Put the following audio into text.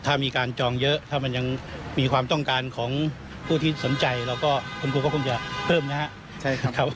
ถ้ามีการจองเยอะถ้ามันยังมีความต้องการของผู้ที่สนใจเราก็คุณครูก็คงจะเพิ่มนะครับ